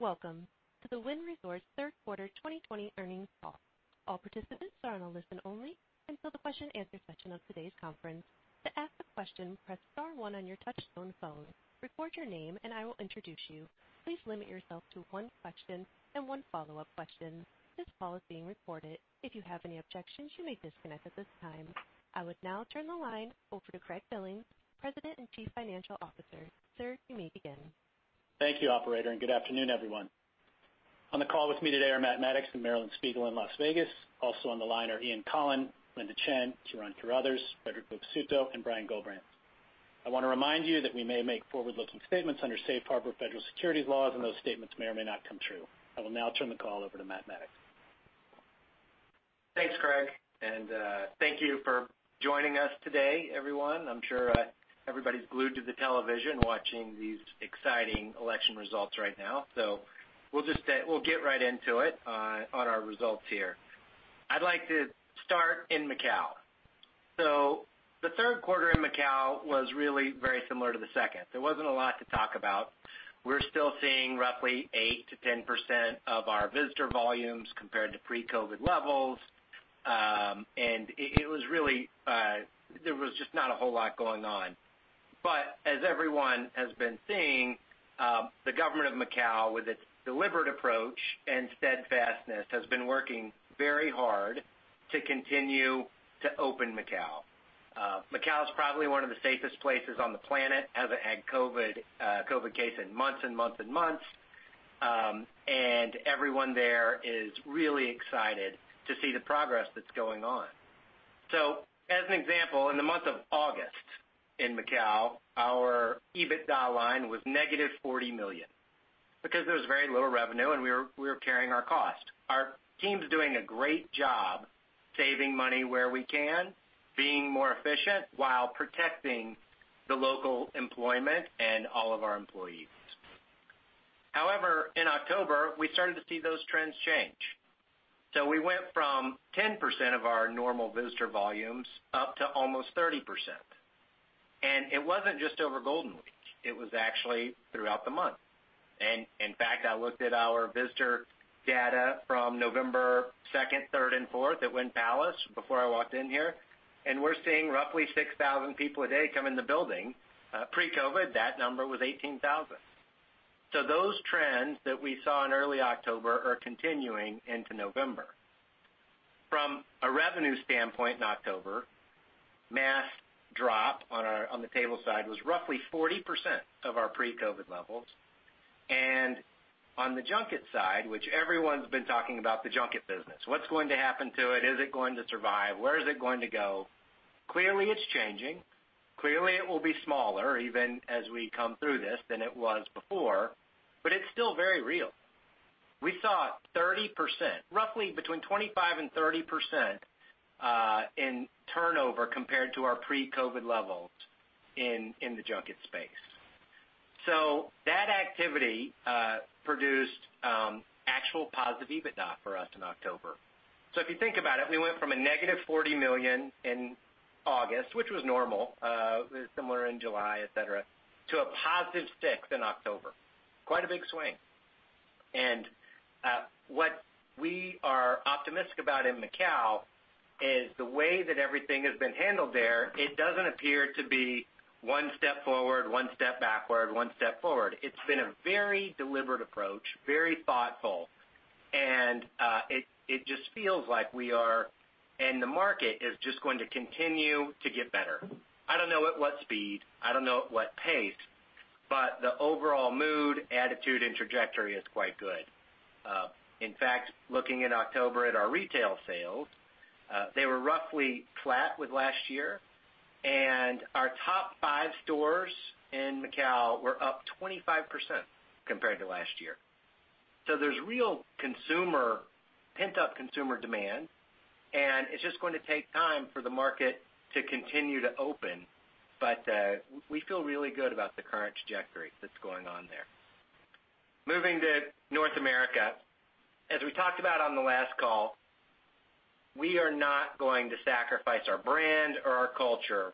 Welcome to the Wynn Resorts third quarter 2020 earnings call. All participants are on a listen only until the question answer session of today's conference. To ask a question, press star one on your touchtone phone, record your name, and I will introduce you. Please limit yourself to one question and one follow-up question. This call is being recorded. If you have any objections, you may disconnect at this time. I would now turn the line over to Craig Billings, President and Chief Financial Officer. Sir, you may begin. Thank you, operator. Good afternoon, everyone. On the call with me today are Matt Maddox and Marilyn Spiegel in Las Vegas. Also on the line are Ian Coughlan, Linda Chen, Ciaran Carruthers, Frederic Luvisutto, and Brian Gullbrants. I want to remind you that we may make forward-looking statements under safe harbor federal securities laws. Those statements may or may not come true. I will now turn the call over to Matt Maddox. Thanks, Craig. Thank you for joining us today, everyone. I'm sure everybody's glued to the television watching these exciting election results right now. We'll get right into it on our results here. I'd like to start in Macau. The third quarter in Macau was really very similar to the second. There wasn't a lot to talk about. We're still seeing roughly 8%-10% of our visitor volumes compared to pre-COVID levels. There was just not a whole lot going on. As everyone has been seeing, the government of Macau, with its deliberate approach and steadfastness, has been working very hard to continue to open Macau. Macau is probably one of the safest places on the planet. Hasn't had COVID case in months and months and months. Everyone there is really excited to see the progress that's going on. As an example, in the month of August in Macau, our EBITDA line was negative $40 million because there was very low revenue, and we were carrying our cost. Our team's doing a great job saving money where we can, being more efficient while protecting the local employment and all of our employees. However, in October, we started to see those trends change. We went from 10% of our normal visitor volumes up to almost 30%. It wasn't just over Golden Week. It was actually throughout the month. In fact, I looked at our visitor data from November 2nd, 3rd, and 4th at Wynn Palace before I walked in here, and we're seeing roughly 6,000 people a day come in the building. Pre-COVID, that number was 18,000. Those trends that we saw in early October are continuing into November. From a revenue standpoint in October, mass drop on the table side was roughly 40% of our pre-COVID levels. On the junket side, which everyone's been talking about the junket business. What's going to happen to it? Is it going to survive? Where is it going to go? Clearly, it's changing. Clearly, it will be smaller, even as we come through this, than it was before, but it's still very real. We saw 30%, roughly between 25% and 30%, in turnover compared to our pre-COVID levels in the junket space. That activity produced actual positive EBITDA for us in October. If you think about it, we went from a negative $40 million in August, which was normal, similar in July, et cetera, to a positive $6 in October. Quite a big swing. What we are optimistic about in Macau is the way that everything has been handled there, it doesn't appear to be one step forward, one step backward, one step forward. It's been a very deliberate approach, very thoughtful, and it just feels like we are, and the market is just going to continue to get better. I don't know at what speed, I don't know at what pace, but the overall mood, attitude, and trajectory is quite good. In fact, looking in October at our retail sales, they were roughly flat with last year, and our top five stores in Macau were up 25% compared to last year. There's real pent-up consumer demand, and it's just going to take time for the market to continue to open. We feel really good about the current trajectory that's going on there. Moving to North America. As we talked about on the last call, we are not going to sacrifice our brand or our culture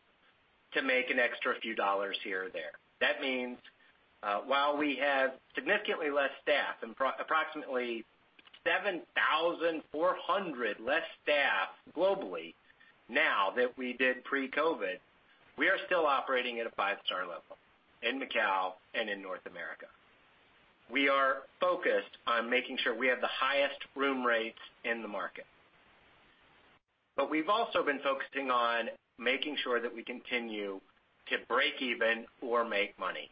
to make an extra few dollars here or there. That means while we have significantly less staff, approximately 7,400 less staff globally now than we did pre-COVID, we are still operating at a five-star level in Macau and in North America. We are focused on making sure we have the highest room rates in the market. We've also been focusing on making sure that we continue to break even or make money.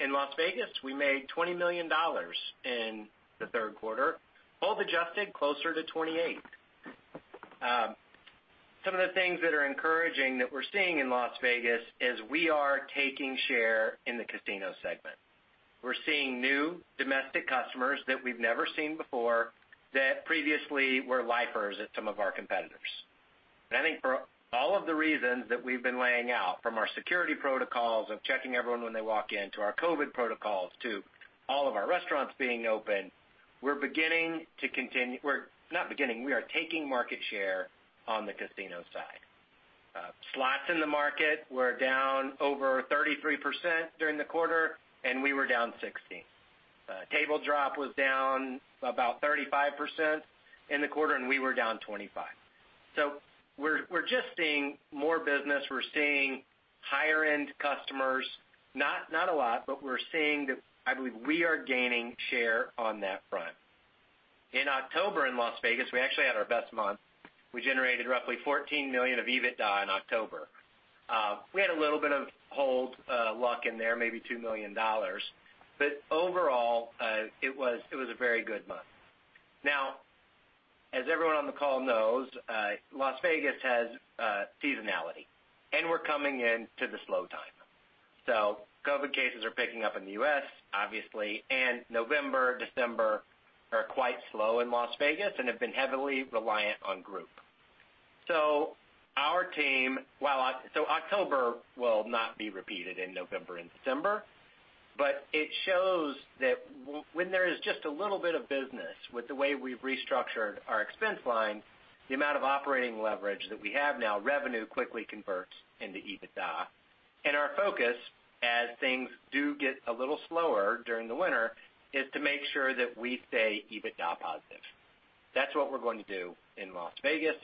In Las Vegas, we made $20 million in the third quarter, all adjusted closer to $28. Some of the things that are encouraging that we're seeing in Las Vegas is we are taking share in the casino segment. We're seeing new domestic customers that we've never seen before that previously were lifers at some of our competitors. I think for all of the reasons that we've been laying out, from our security protocols of checking everyone when they walk in, to our COVID protocols, to all of our restaurants being open, we're not beginning. We are taking market share on the casino side. Slots in the market were down over 33% during the quarter. We were down 16%. Table drop was down about 35% in the quarter. We were down 25%. We're just seeing more business. We're seeing higher-end customers, not a lot, but we're seeing that, I believe, we are gaining share on that front. In October in Las Vegas, we actually had our best month. We generated roughly $14 million of EBITDA in October. We had a little bit of hold luck in there, maybe $2 million. Overall, it was a very good month. As everyone on the call knows, Las Vegas has seasonality, and we're coming into the slow time. COVID cases are picking up in the U.S., obviously, and November, December are quite slow in Las Vegas and have been heavily reliant on group. October will not be repeated in November and December, but it shows that when there is just a little bit of business, with the way we've restructured our expense line, the amount of operating leverage that we have now, revenue quickly converts into EBITDA. Our focus, as things do get a little slower during the winter, is to make sure that we stay EBITDA positive. That's what we're going to do in Las Vegas.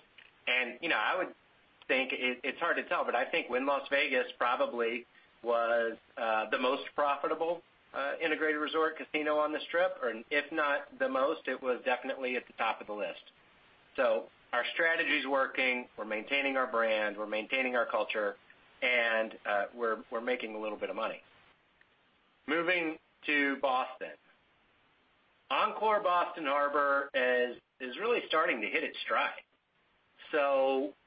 I would think, it's hard to tell, but I think Wynn Las Vegas probably was the most profitable integrated resort casino on the Strip, or if not the most, it was definitely at the top of the list. Our strategy's working. We're maintaining our brand, we're maintaining our culture, and we're making a little bit of money. Moving to Boston. Encore Boston Harbor is really starting to hit its stride.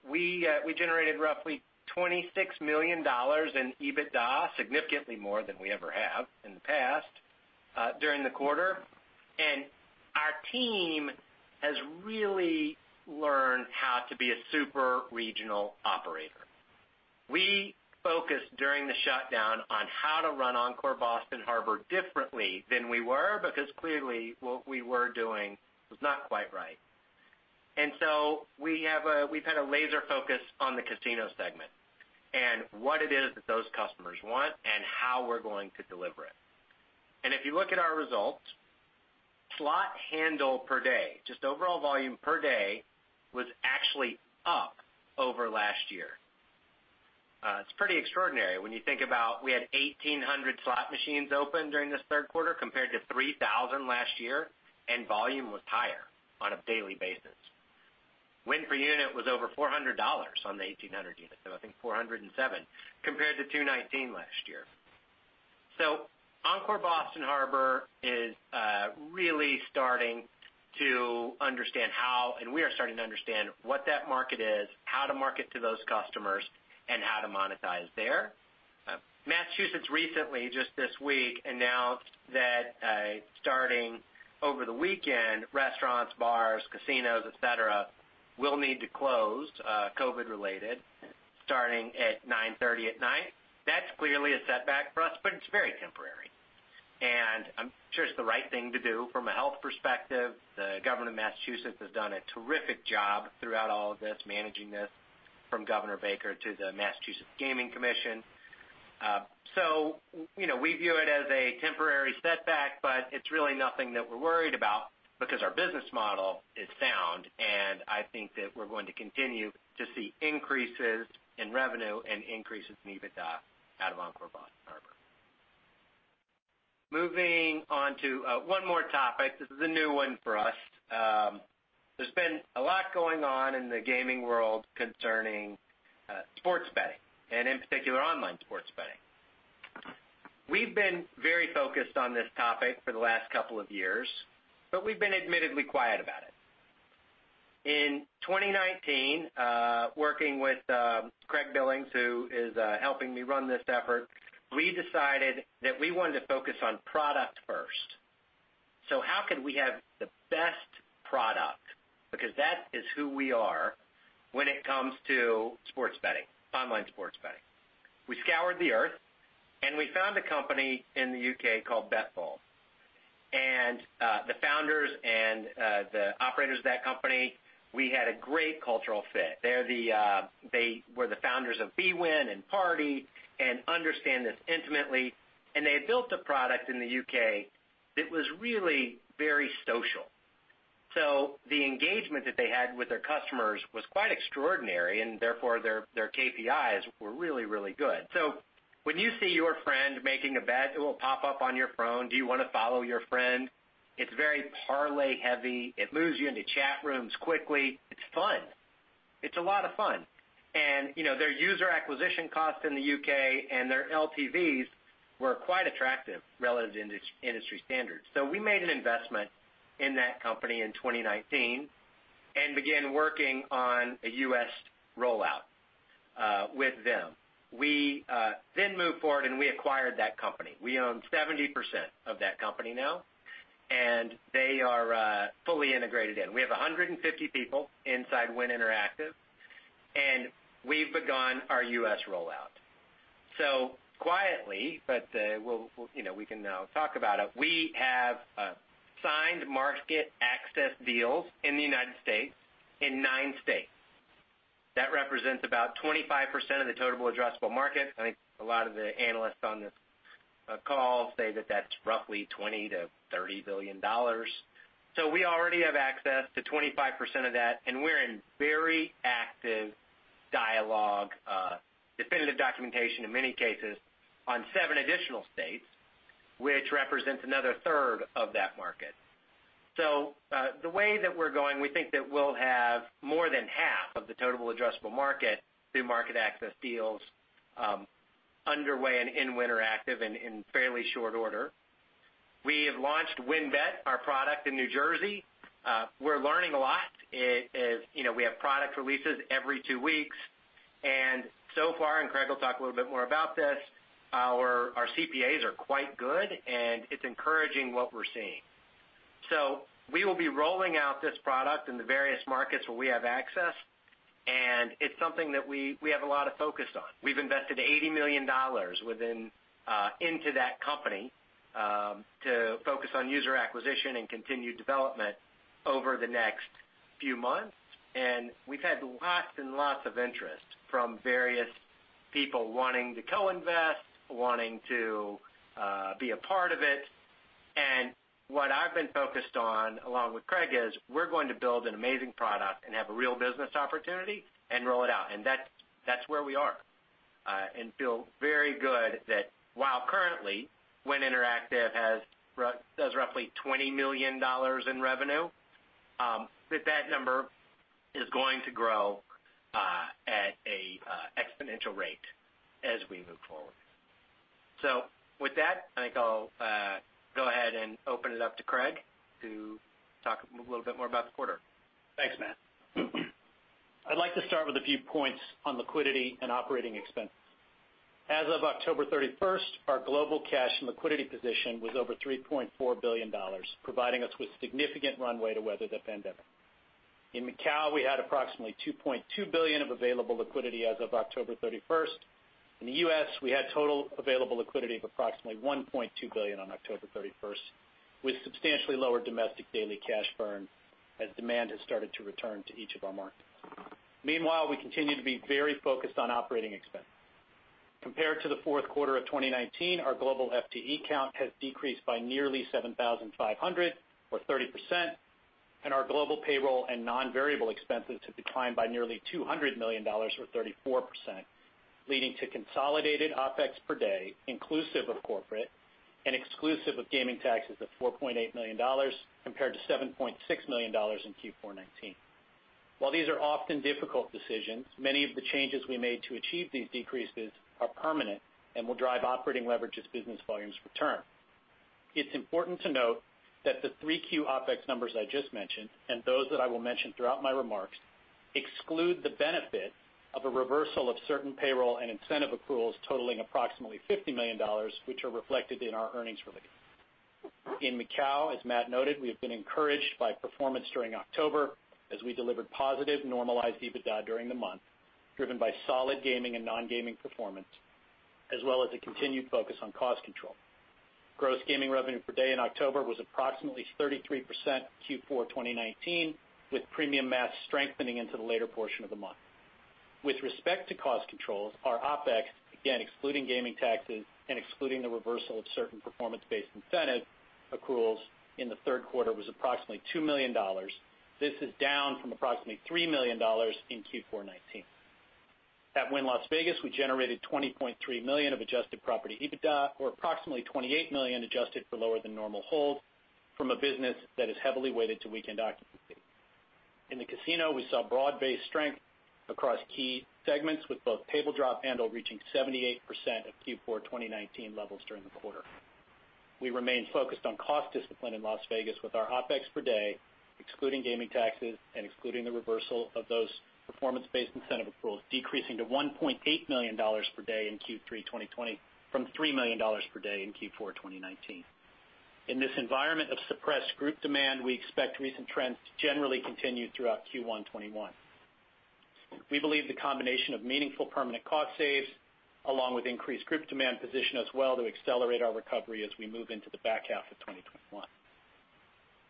We generated roughly $26 million in EBITDA, significantly more than we ever have in the past, during the quarter. Our team has really learned how to be a super regional operator. We focused during the shutdown on how to run Encore Boston Harbor differently than we were, because clearly what we were doing was not quite right. We've had a laser focus on the casino segment and what it is that those customers want and how we're going to deliver it. If you look at our results, slot handle per day, just overall volume per day, was actually up over last year. It's pretty extraordinary when you think about, we had 1,800 slot machines open during this third quarter compared to 3,000 last year, and volume was higher on a daily basis. Win per unit was over $400 on the 1,800 units, so I think $407 compared to $219 last year. Encore Boston Harbor is really starting to understand how, and we are starting to understand what that market is, how to market to those customers, and how to monetize there. Massachusetts recently, just this week, announced that starting over the weekend, restaurants, bars, casinos, et cetera, will need to close, COVID-related, starting at 9:30 at night. That's clearly a setback for us, but it's very temporary. I'm sure it's the right thing to do from a health perspective. The government of Massachusetts has done a terrific job throughout all of this, managing this from Charlie Baker to the Massachusetts Gaming Commission. We view it as a temporary setback, but it's really nothing that we're worried about because our business model is sound, and I think that we're going to continue to see increases in revenue and increases in EBITDA out of Encore Boston Harbor. Moving on to one more topic. This is a new one for us. There's been a lot going on in the gaming world concerning sports betting and, in particular, online sports betting. We've been very focused on this topic for the last couple of years, but we've been admittedly quiet about it. In 2019, working with Craig Billings, who is helping me run this effort, we decided that we wanted to focus on product first. How could we have the best product, because that is who we are when it comes to sports betting, online sports betting. We scoured the Earth, we found a company in the U.K. called BetBull. The founders and the operators of that company, we had a great cultural fit. They were the founders of bwin and PartyGaming and understand this intimately, and they had built a product in the U.K. that was really very social. The engagement that they had with their customers was quite extraordinary, and therefore, their KPIs were really, really good. When you see your friend making a bet, it will pop up on your phone. Do you want to follow your friend? It's very parlay heavy. It moves you into chat rooms quickly. It's fun. It's a lot of fun. Their user acquisition cost in the U.K. and their LTVs were quite attractive relative to industry standards. We made an investment in that company in 2019 and began working on a U.S. rollout with them. We moved forward, and we acquired that company. We own 70% of that company now, and they are fully integrated in. We have 150 people inside Wynn Interactive, and we've begun our U.S. rollout. Quietly, but we can now talk about it. We have signed market access deals in the United States in nine states. That represents about 25% of the total addressable market. I think a lot of the analysts on this call say that that's roughly $20 billion-$30 billion. We already have access to 25% of that, and we're in very active dialogue, definitive documentation in many cases, on seven additional states, which represents another third of that market. The way that we're going, we think that we'll have more than half of the total addressable market through market access deals underway in Wynn Interactive in fairly short order. We have launched WynnBET, our product in New Jersey. We're learning a lot. We have product releases every two weeks, and so far, and Craig will talk a little bit more about this, our CPAs are quite good, and it's encouraging what we're seeing. We will be rolling out this product in the various markets where we have access, and it's something that we have a lot of focus on. We've invested $80 million into that company to focus on user acquisition and continued development over the next few months. We've had lots and lots of interest from various people wanting to co-invest, wanting to be a part of it. What I've been focused on, along with Craig, is we're going to build an amazing product and have a real business opportunity and roll it out. That's where we are. Feel very good that while currently, Wynn Interactive does roughly $20 million in revenue, that that number is going to grow at an exponential rate as we move forward. With that, I think I'll go ahead and open it up to Craig to talk a little bit more about the quarter. Thanks, Matt. I'd like to start with a few points on liquidity and operating expenses. As of October 31st, our global cash and liquidity position was over $3.4 billion, providing us with significant runway to weather the pandemic. In Macau, we had approximately $2.2 billion of available liquidity as of October 31st. In the U.S., we had total available liquidity of approximately $1.2 billion on October 31st, with substantially lower domestic daily cash burn as demand has started to return to each of our markets. We continue to be very focused on operating expenses. Compared to the fourth quarter of 2019, our global FTE count has decreased by nearly 7,500 or 30%, and our global payroll and non-variable expenses have declined by nearly $200 million or 34%, leading to consolidated OpEx per day, inclusive of corporate and exclusive of gaming taxes of $4.8 million compared to $7.6 million in Q4 2019. While these are often difficult decisions, many of the changes we made to achieve these decreases are permanent and will drive operating leverage as business volumes return. It's important to note that the Q3 OpEx numbers I just mentioned, and those that I will mention throughout my remarks, exclude the benefit of a reversal of certain payroll and incentive accruals totaling approximately $50 million, which are reflected in our earnings release. In Macau, as Matt noted, we have been encouraged by performance during October as we delivered positive normalized EBITDA during the month, driven by solid gaming and non-gaming performance, as well as a continued focus on cost control. Gross gaming revenue per day in October was approximately 33% Q4 2019, with premium mass strengthening into the later portion of the month. With respect to cost controls, our OpEx, again, excluding gaming taxes and excluding the reversal of certain performance-based incentive accruals in the third quarter was approximately $2 million. This is down from approximately $3 million in Q4 2019. At Wynn Las Vegas, we generated $20.3 million of adjusted property EBITDA, or approximately $28 million adjusted for lower than normal hold from a business that is heavily weighted to weekend occupancy. In the casino, we saw broad-based strength across key segments, with both table drop handle reaching 78% of Q4 2019 levels during the quarter. We remain focused on cost discipline in Las Vegas with our OpEx per day, excluding gaming taxes and excluding the reversal of those performance-based incentive accruals decreasing to $1.8 million per day in Q3 2020 from $3 million per day in Q4 2019. In this environment of suppressed group demand, we expect recent trends to generally continue throughout Q1 2021. We believe the combination of meaningful permanent cost saves, along with increased group demand position as well to accelerate our recovery as we move into the back half of 2021.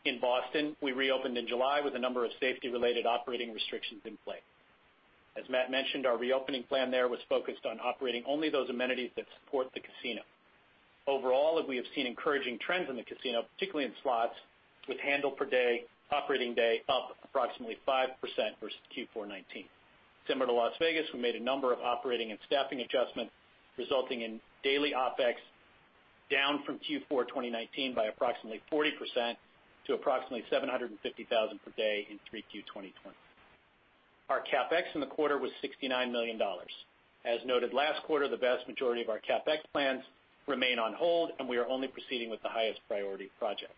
In Boston, we reopened in July with a number of safety-related operating restrictions in play. As Matt mentioned, our reopening plan there was focused on operating only those amenities that support the casino. Overall, we have seen encouraging trends in the casino, particularly in slots, with handle per day, operating day up approximately 5% versus Q4 2019. Similar to Las Vegas, we made a number of operating and staffing adjustments, resulting in daily OpEx down from Q4 2019 by approximately 40% to approximately $750,000 per day in Q3 2020. Our CapEx in the quarter was $69 million. As noted last quarter, the vast majority of our CapEx plans remain on hold, and we are only proceeding with the highest priority projects.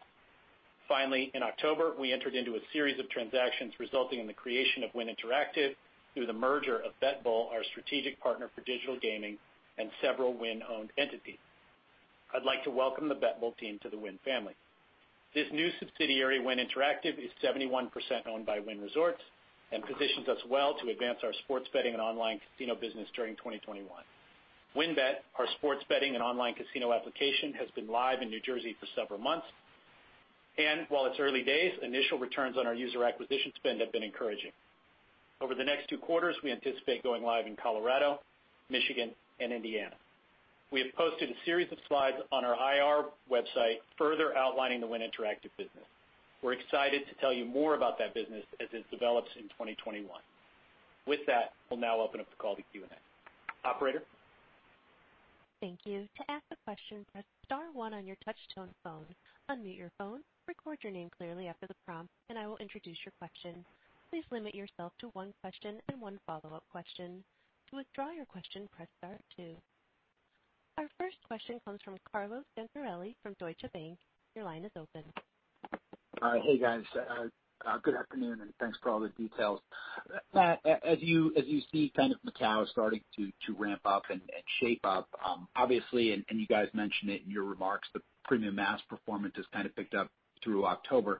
In October, we entered into a series of transactions resulting in the creation of Wynn Interactive through the merger of BetBull, our strategic partner for digital gaming, and several Wynn-owned entities. I'd like to welcome the BetBull team to the Wynn family. This new subsidiary, Wynn Interactive, is 71% owned by Wynn Resorts, and positions us well to advance our sports betting and online casino business during 2021. WynnBET, our sports betting and online casino application, has been live in New Jersey for several months. While it's early days, initial returns on our user acquisition spend have been encouraging. Over the next 2 quarters, we anticipate going live in Colorado, Michigan, and Indiana. We have posted a series of slides on our IR website, further outlining the Wynn Interactive business. We're excited to tell you more about that business as it develops in 2021. With that, we'll now open up the call to Q&A. Operator? Thank you. To ask a question, press *1 on your touch-tone phone, unmute your phone, record your name clearly after the prompt, and I will introduce your question. Please limit yourself to one question and one follow-up question. To withdraw your question, press *2. Our first question comes from Carlo Santarelli from Deutsche Bank. Your line is open. Hi. Hey, guys. Good afternoon. Thanks for all the details. Matt, as you see Macau starting to ramp up and shape up, obviously, and you guys mentioned it in your remarks, the premium mass performance has picked up through October.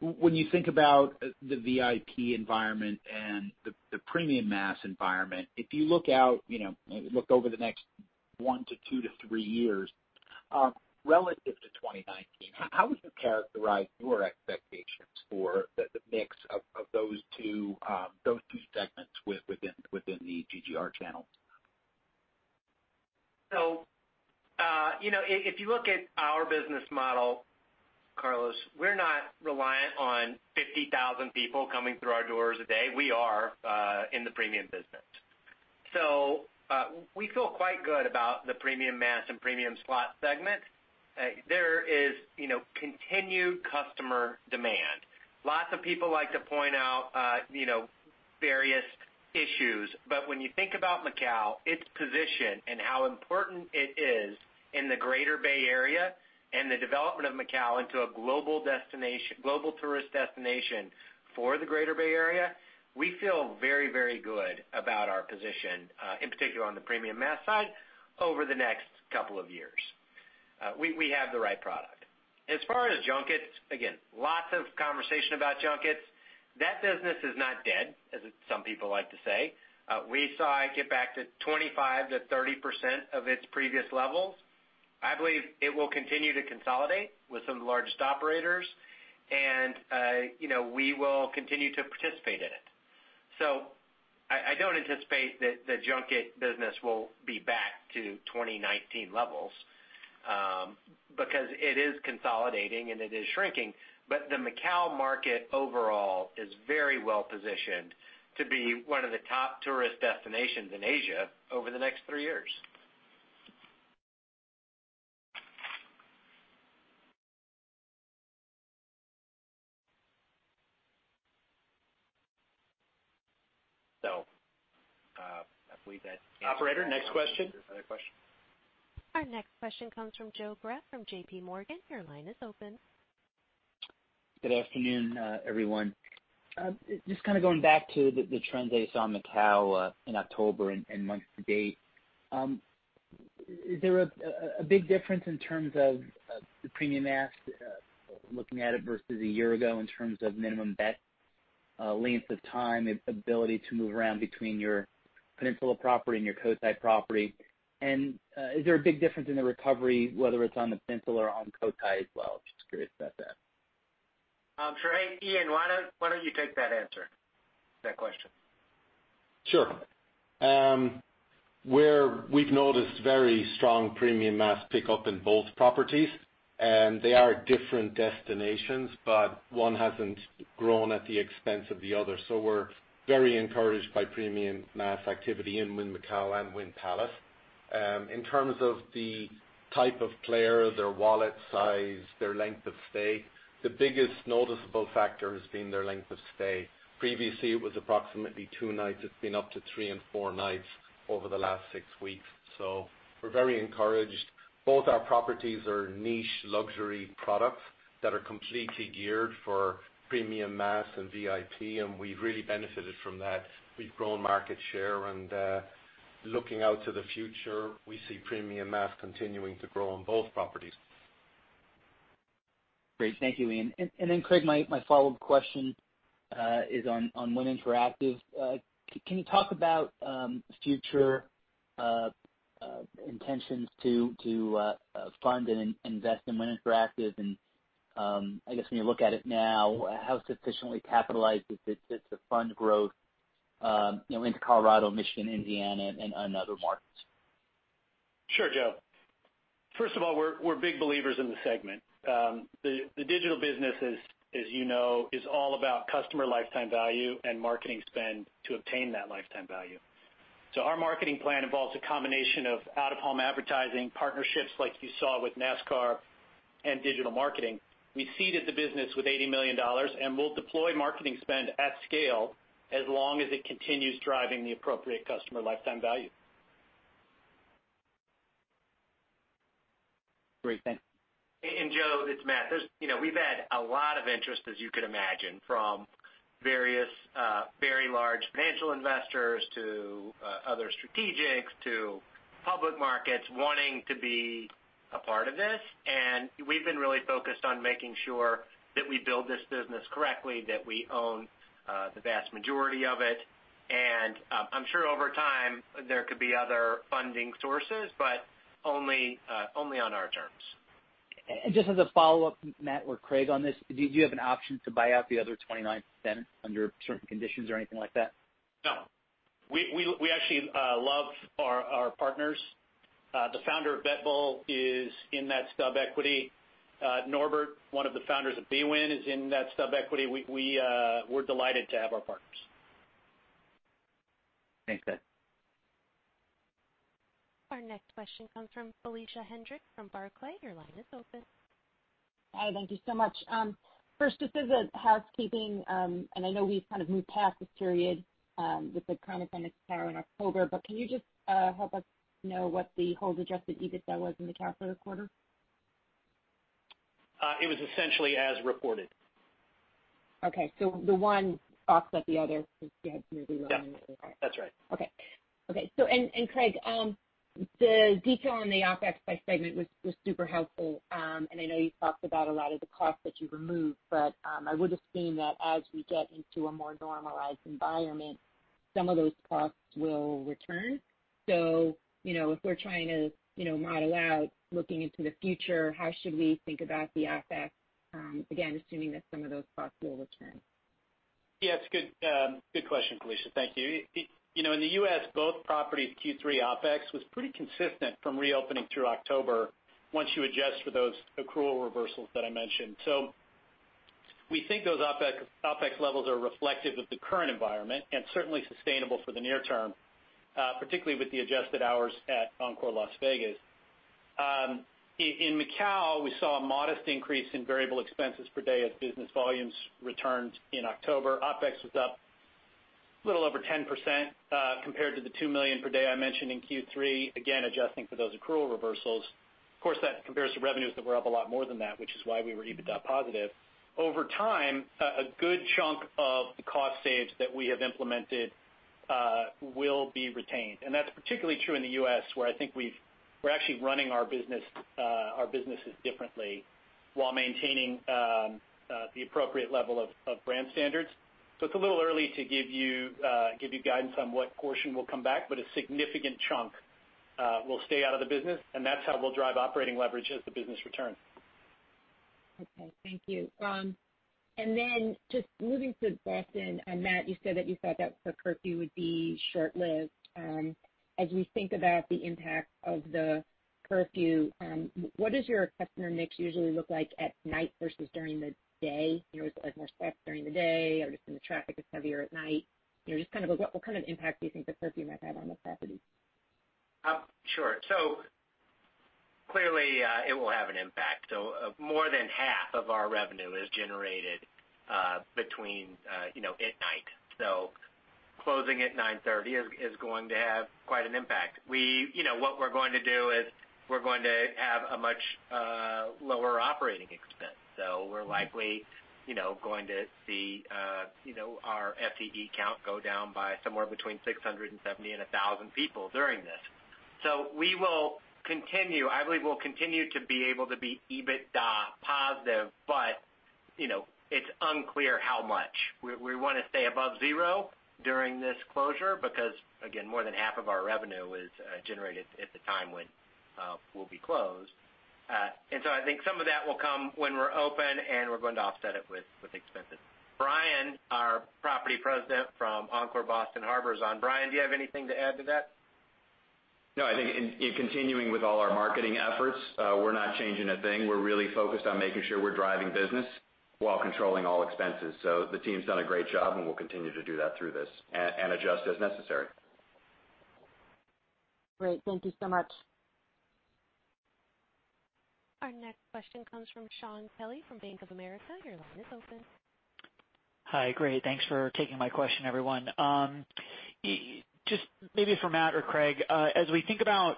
When you think about the VIP environment and the premium mass environment, if you look over the next one to two to three years, relative to 2019, how would you characterize your expectations for the mix of those two segments within the GGR channel? If you look at our business model, Carlo, we're not reliant on 50,000 people coming through our doors a day. We are in the premium business. We feel quite good about the premium mass and premium slot segment. There is continued customer demand. Lots of people like to point out various issues. When you think about Macau, its position and how important it is in the Greater Bay Area and the development of Macau into a global tourist destination for the Greater Bay Area, we feel very good about our position, in particular on the premium mass side, over the next couple of years. We have the right product. As far as junkets, again, lots of conversation about junkets. That business is not dead, as some people like to say. We saw it get back to 25%-30% of its previous levels. I believe it will continue to consolidate with some of the largest operators, and we will continue to participate in it. I don't anticipate that the junket business will be back to 2019 levels, because it is consolidating and it is shrinking. The Macau market overall is very well-positioned to be one of the top tourist destinations in Asia over the next three years. I believe that answers. Operator, next question. other question. Our next question comes from Joe Greff from JPMorgan. Your line is open. Good afternoon, everyone. Just kind of going back to the trends that I saw in Macau in October and month-to-date. Is there a big difference in terms of the premium mass, looking at it versus a year ago, in terms of minimum bet, length of time, ability to move around between your peninsula property and your Cotai property? Is there a big difference in the recovery, whether it's on the peninsula or on Cotai as well? Just curious about that. Sure. Ian, why don't you take that question? Sure. Where we've noticed very strong premium mass pickup in both properties, and they are different destinations, but one hasn't grown at the expense of the other. We're very encouraged by premium mass activity in Wynn Macau and Wynn Palace. In terms of the type of player, their wallet size, their length of stay, the biggest noticeable factor has been their length of stay. Previously, it was approximately two nights. It's been up to three and four nights over the last six weeks. We're very encouraged. Both our properties are niche luxury products that are completely geared for premium mass and VIP, and we've really benefited from that. We've grown market share and, looking out to the future, we see premium mass continuing to grow on both properties. Great. Thank you, Ian. Then Craig, my follow-up question is on Wynn Interactive. Can you talk about future intentions to fund and invest in Wynn Interactive? And I guess when you look at it now, how sufficiently capitalized is it to fund growth into Colorado, Michigan, Indiana, and other markets? Sure, Joe. First of all, we're big believers in the segment. The digital business, as you know, is all about customer lifetime value and marketing spend to obtain that lifetime value. Our marketing plan involves a combination of out-of-home advertising partnerships like you saw with NASCAR and digital marketing. We seeded the business with $80 million, and we'll deploy marketing spend at scale as long as it continues driving the appropriate customer lifetime value. Great. Thank you. Joe, it's Matt. We've had a lot of interest, as you could imagine, from various very large financial investors to other strategics to public markets wanting to be a part of this. We've been really focused on making sure that we build this business correctly, that we own the vast majority of it. I'm sure over time there could be other funding sources, but only on our terms. Just as a follow-up, Matt or Craig, on this, do you have an option to buy out the other 29% under certain conditions or anything like that? No. We actually love our partners. The founder of BetBull is in that stub equity. Norbert, one of the founders of bwin, is in that stub equity. We're delighted to have our partners. Thanks, Matt. Our next question comes from Felicia Hendrix from Barclays. Your line is open. Hi, thank you so much. First, just as a housekeeping, and I know we've kind of moved past this period with the chronic endemic power in October, can you just help us know what the whole adjusted EBITDA was in the quarter? It was essentially as reported. Okay. The one offset the other since you had Yeah. new revenue. Okay. That's right. Okay. Craig, the detail on the OpEx by segment was super helpful. I know you talked about a lot of the costs that you removed, but I would assume that as we get into a more normalized environment, some of those costs will return. If we're trying to model out looking into the future, how should we think about the OpEx, again, assuming that some of those costs will return? Yeah, it's a good question, Felicia. Thank you. In the U.S., both properties Q3 OpEx was pretty consistent from reopening through October once you adjust for those accrual reversals that I mentioned. We think those OpEx levels are reflective of the current environment and certainly sustainable for the near term, particularly with the adjusted hours at Encore Las Vegas. In Macau, we saw a modest increase in variable expenses per day as business volumes returned in October. OpEx was up a little over 10% compared to the $2 million per day I mentioned in Q3, again, adjusting for those accrual reversals. Of course, that compares to revenues that were up a lot more than that, which is why we were EBITDA positive. Over time, a good chunk of the cost saves that we have implemented will be retained, and that's particularly true in the U.S., where I think we're actually running our businesses differently while maintaining the appropriate level of brand standards. It's a little early to give you guidance on what portion will come back, but a significant chunk will stay out of the business, and that's how we'll drive operating leverage as the business returns. Okay, thank you. Then just moving to Boston, Matt, you said that you thought that the curfew would be short-lived. As we think about the impact of the curfew, what does your customer mix usually look like at night versus during the day? Is it more specs during the day or just when the traffic is heavier at night? Just kind of what kind of impact do you think the curfew might have on those capacities? Sure. Clearly, it will have an impact. More than half of our revenue is generated at night. Closing at 9:30 is going to have quite an impact. What we're going to do is we're going to have a much lower operating expense. We're likely going to see our FTE count go down by somewhere between 670 and 1,000 people during this. I believe we'll continue to be able to be EBITDA positive, but it's unclear how much. We want to stay above zero during this closure because, again, more than half of our revenue is generated at the time when we'll be closed. I think some of that will come when we're open, and we're going to offset it with expenses. Brian, our property president from Encore Boston Harbor is on. Brian, do you have anything to add to that? No, I think in continuing with all our marketing efforts, we're not changing a thing. We're really focused on making sure we're driving business while controlling all expenses. The team's done a great job, and we'll continue to do that through this and adjust as necessary. Great. Thank you so much. Our next question comes from Shaun Kelley from Bank of America. Your line is open. Hi. Great. Thanks for taking my question, everyone. Just maybe for Matt or Craig, as we think about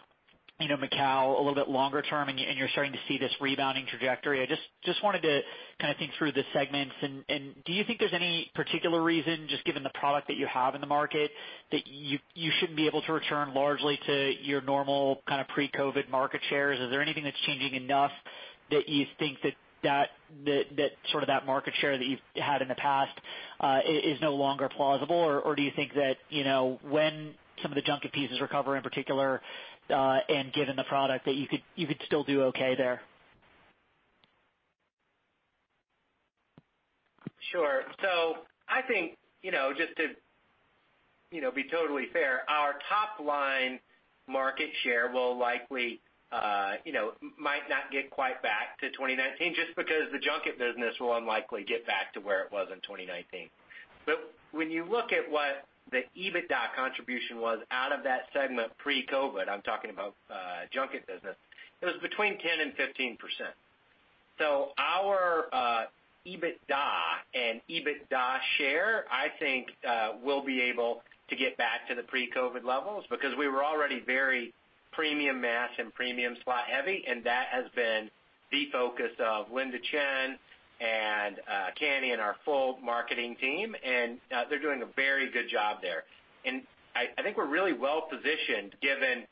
Macau a little bit longer term and you're starting to see this rebounding trajectory, I just wanted to kind of think through the segments and do you think there's any particular reason, just given the product that you have in the market, that you shouldn't be able to return largely to your normal kind of pre-COVID market shares? Is there anything that's changing enough that you think that sort of that market share that you've had in the past is no longer plausible? Or do you think that when some of the junket pieces recover, in particular, and given the product, that you could still do okay there? Sure. I think just to be totally fair, our top-line market share might not get quite back to 2019, just because the junket business will unlikely get back to where it was in 2019. When you look at what the EBITDA contribution was out of that segment pre-COVID, I'm talking about junket business, it was between 10%-15%. Our EBITDA and EBITDA share, I think we'll be able to get back to the pre-COVID levels because we were already very premium mass and premium slot heavy, and that has been the focus of Linda Chen and Candy and our full marketing team, and they're doing a very good job there. I think we're really well-positioned given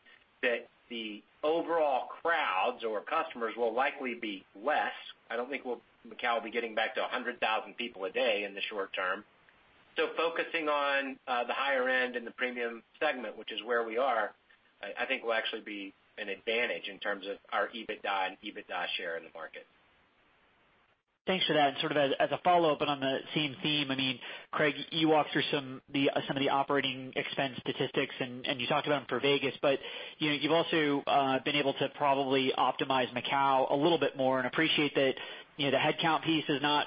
that the overall crowds or customers will likely be less. I don't think Macau will be getting back to 100,000 people a day in the short term. Focusing on the higher end and the premium segment, which is where we are, I think will actually be an advantage in terms of our EBITDA and EBITDA share in the market. Thanks for that. Sort of as a follow-up, on the same theme. Craig, you walked through some of the operating expense statistics, and you talked about them for Vegas. You've also been able to probably optimize Macau a little bit more and appreciate that the headcount piece is not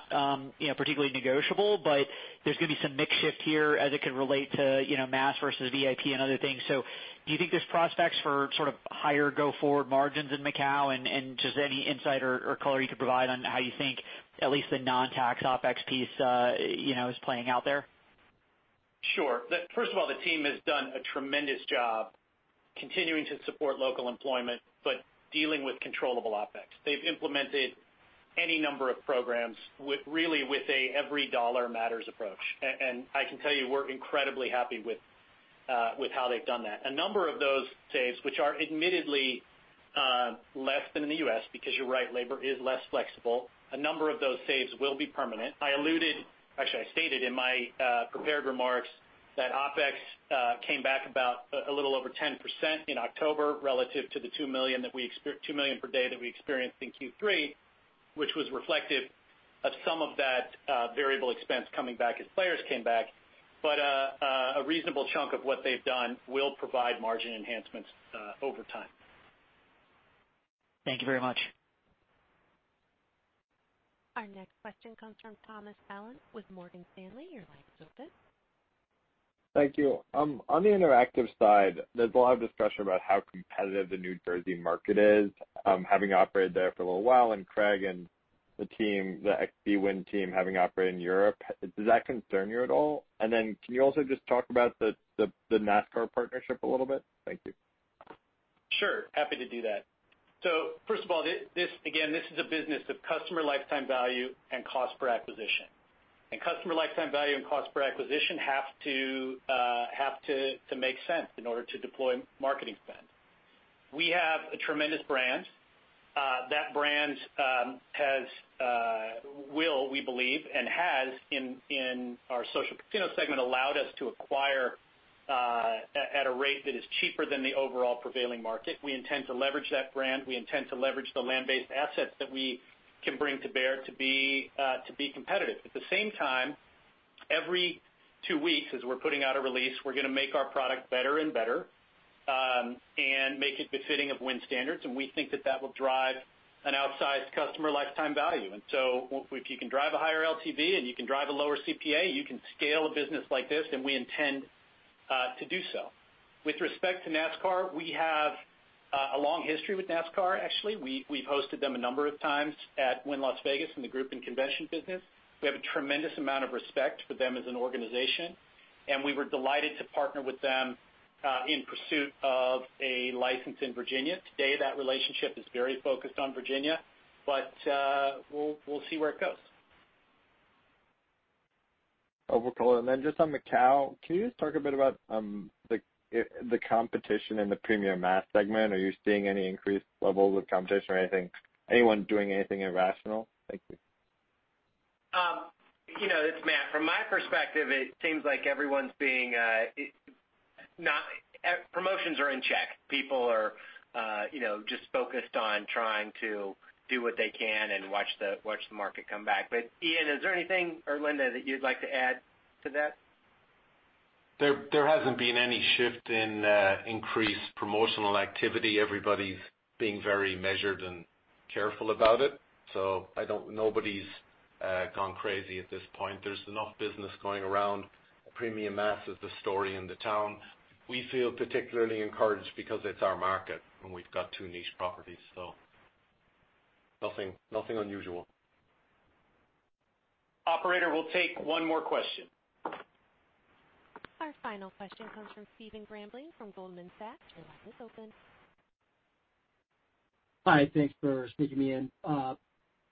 particularly negotiable, but there's going to be some mix shift here as it could relate to mass versus VIP and other things. Do you think there's prospects for higher go-forward margins in Macau? Just any insight or color you could provide on how you think at least the non-tax OpEx piece is playing out there? Sure. First of all, the team has done a tremendous job continuing to support local employment, but dealing with controllable OpEx. They've implemented any number of programs really with an every dollar matters approach. I can tell you we're incredibly happy with how they've done that. A number of those saves, which are admittedly less than in the U.S. because you're right, labor is less flexible. A number of those saves will be permanent. I alluded, actually I stated in my prepared remarks that OpEx came back about a little over 10% in October relative to the $2 million per day that we experienced in Q3, which was reflective of some of that variable expense coming back as players came back. A reasonable chunk of what they've done will provide margin enhancements over time. Thank you very much. Our next question comes from Thomas Allen with Morgan Stanley. Your line is open. Thank you. On the interactive side, there's a lot of discussion about how competitive the New Jersey market is, having operated there for a little while, and Craig and the team, the ex-bwin team having operated in Europe. Does that concern you at all? Can you also just talk about the NASCAR partnership a little bit? Thank you. Sure, happy to do that. First of all, again, this is a business of customer lifetime value and cost per acquisition. Customer lifetime value and cost per acquisition have to make sense in order to deploy marketing spend. We have a tremendous brand. That brand will, we believe, and has in our social casino segment, allowed us to acquire at a rate that is cheaper than the overall prevailing market. We intend to leverage that brand. We intend to leverage the land-based assets that we can bring to bear to be competitive. At the same time, every two weeks, as we're putting out a release, we're going to make our product better and better, and make it befitting of Wynn standards. We think that that will drive an outsized customer lifetime value. If you can drive a higher LTV and you can drive a lower CPA, you can scale a business like this, then we intend to do so. With respect to NASCAR, we have a long history with NASCAR, actually. We've hosted them a number of times at Wynn Las Vegas in the group and convention business. We have a tremendous amount of respect for them as an organization, and we were delighted to partner with them in pursuit of a license in Virginia. Today, that relationship is very focused on Virginia. We'll see where it goes. No problem. Then just on Macau, can you just talk a bit about the competition in the premium mass segment? Are you seeing any increased levels of competition or anything? Anyone doing anything irrational? Thank you. It's Matt. From my perspective, it seems like everyone's promotions are in check. People are just focused on trying to do what they can and watch the market come back. Ian, is there anything, or Linda, that you'd like to add to that? There hasn't been any shift in increased promotional activity. Everybody's being very measured and careful about it. Nobody's gone crazy at this point. There's enough business going around. Premium mass is the story in the town. We feel particularly encouraged because it's our market and we've got two niche properties. Nothing unusual. Operator, we'll take one more question. Our final question comes from Stephen Grambling from Goldman Sachs. Your line is open. Hi. Thanks for squeezing me in.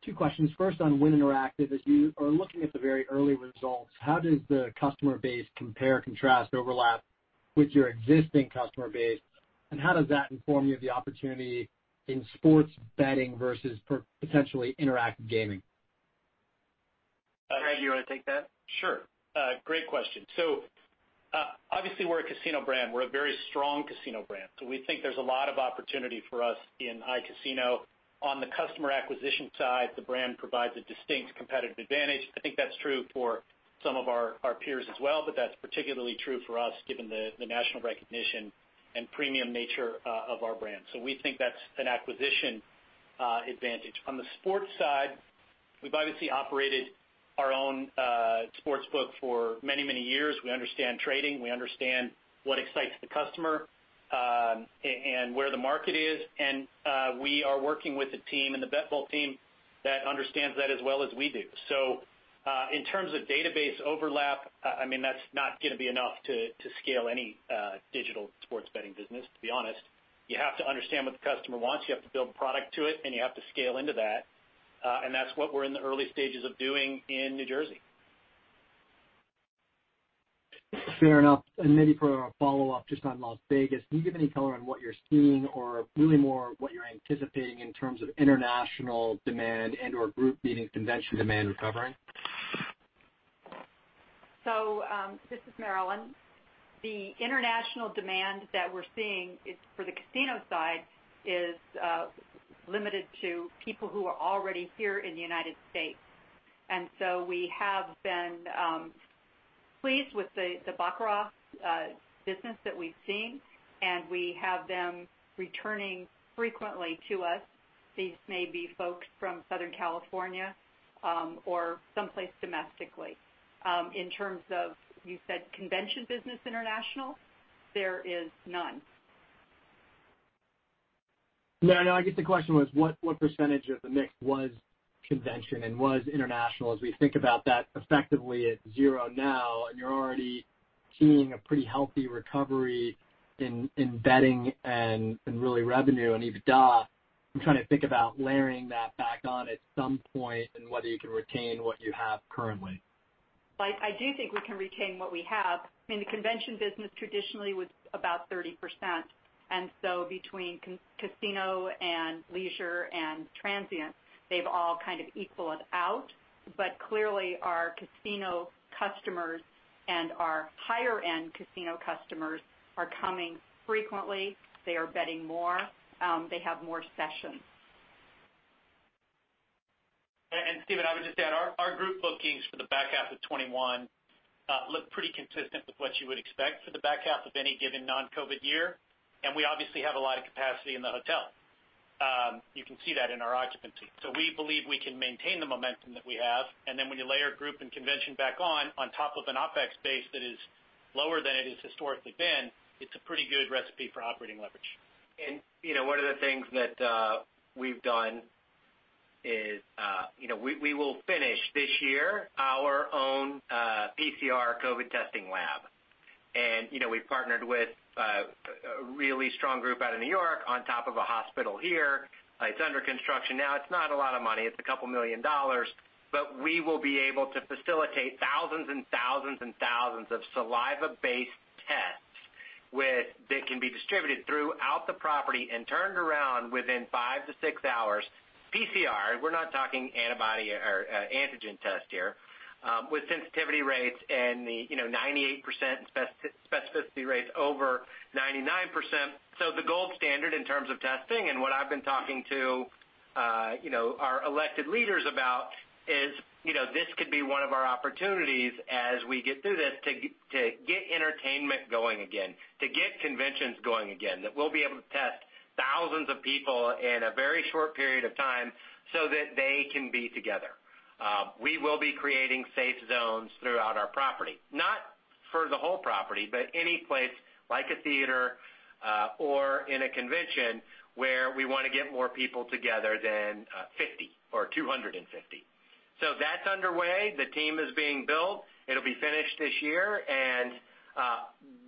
Two questions. First, on Wynn Interactive, as you are looking at the very early results, how does the customer base compare, contrast, overlap with your existing customer base? How does that inform you of the opportunity in sports betting versus potentially interactive gaming? Craig, you want to take that? Sure. Great question. Obviously we're a casino brand. We're a very strong casino brand. We think there's a lot of opportunity for us in iCasino. On the customer acquisition side, the brand provides a distinct competitive advantage. I think that's true for some of our peers as well, but that's particularly true for us given the national recognition and premium nature of our brand. We think that's an acquisition advantage. On the sports side, we've obviously operated our own sportsbook for many, many years. We understand trading, we understand what excites the customer, and where the market is. We are working with a team and the BetBull team that understands that as well as we do. In terms of database overlap, that's not going to be enough to scale any digital sports betting business, to be honest. You have to understand what the customer wants, you have to build product to it, and you have to scale into that. That's what we're in the early stages of doing in New Jersey. Fair enough. Maybe for a follow-up just on Las Vegas, can you give any color on what you're seeing or really more what you're anticipating in terms of international demand and/or group meetings, convention demand recovering? This is Marilyn. The international demand that we're seeing is for the casino side is limited to people who are already here in the United States. We have been pleased with the baccarat business that we've seen, and we have them returning frequently to us. These may be folks from Southern California, or someplace domestically. In terms of, you said convention business international, there is none. No, I guess the question was what percentage of the mix was convention and was international, as we think about that effectively at zero now, and you're already seeing a pretty healthy recovery in betting and in really revenue and EBITDA. I'm trying to think about layering that back on at some point and whether you can retain what you have currently. I do think we can retain what we have. The convention business traditionally was about 30%. Between casino and leisure and transient, they've all kind of equaled out. Clearly, our casino customers and our higher-end casino customers are coming frequently. They are betting more. They have more sessions. Stephen, I would just add, our group bookings for the back half of 2021 look pretty consistent with what you would expect for the back half of any given non-COVID year, and we obviously have a lot of capacity in the hotel. You can see that in our occupancy. We believe we can maintain the momentum that we have, and then when you layer group and convention back on top of an OpEx base that is lower than it has historically been, it's a pretty good recipe for operating leverage. One of the things that we've done is we will finish this year our own PCR COVID testing lab. We've partnered with a really strong group out of New York on top of a hospital here. It's under construction now. It's not a lot of money. It's a couple million dollars. We will be able to facilitate thousands and thousands of saliva-based tests that can be distributed throughout the property and turned around within 5-6 hours. PCR, we're not talking antibody or antigen test here, with sensitivity rates and the 98% specificity rates over 99%. The gold standard in terms of testing, and what I've been talking to our elected leaders about is, this could be one of our opportunities as we get through this to get entertainment going again, to get conventions going again, that we'll be able to test thousands of people in a very short period of time so that they can be together. We will be creating safe zones throughout our property. Not for the whole property, but any place like a theater, or in a convention where we want to get more people together than 50 or 250. That's underway. The team is being built. It'll be finished this year.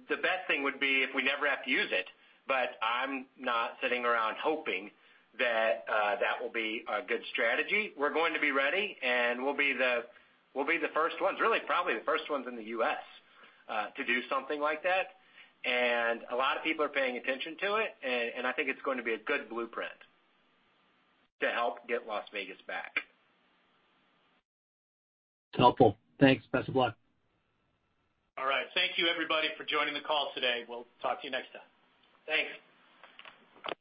The best thing would be if we never have to use it, but I'm not sitting around hoping that that will be a good strategy. We're going to be ready, and we'll be the first ones. Really, probably the first ones in the U.S. to do something like that. A lot of people are paying attention to it, and I think it's going to be a good blueprint to help get Las Vegas back. Helpful. Thanks. Best of luck. All right. Thank you everybody for joining the call today. We'll talk to you next time. Thanks.